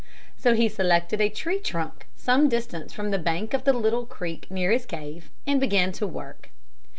So he selected a tree trunk some distance from the bank of the little creek near his cave and began work.